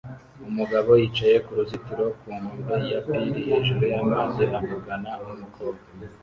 Umugabo yicaye ku ruzitiro ku nkombe ya pir hejuru y'amazi avugana n'umukobwa